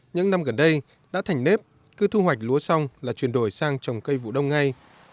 những năm gần đây đã thành nếp cứ thu hoạch lúa xong là chuyển đổi sang trồng cây vụ đông ngay